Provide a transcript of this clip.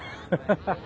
ハハハハ。